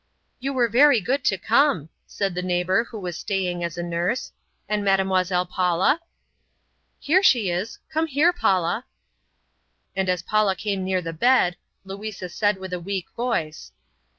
"You were very good to come," said the neighbor who was staying as nurse. "And Mademoiselle Paula?" "Here she is. Come here, Paula." And as Paula came near the bed, Louisa said with a weak voice.